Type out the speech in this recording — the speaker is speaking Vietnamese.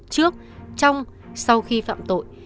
trước trong sau khi phạm tội